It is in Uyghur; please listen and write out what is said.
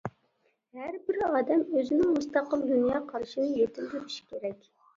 ھەر بىر ئادەم ئۆزىنىڭ مۇستەقىل دۇنيا قارىشىنى يېتىلدۈرۈشى كېرەك.